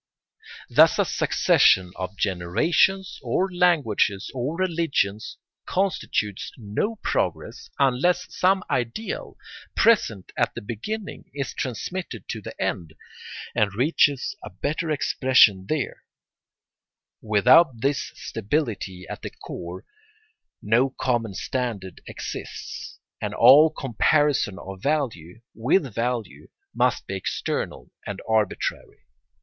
Thus a succession of generations or languages or religions constitutes no progress unless some ideal present at the beginning is transmitted to the end and reaches a better expression there; without this stability at the core no common standard exists and all comparison of value with value must be external and arbitrary.